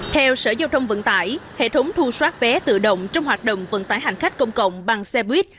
theo sở giao thông vận tải hệ thống thu xoát vé tự động trong hoạt động vận tải hành khách công cộng bằng xe buýt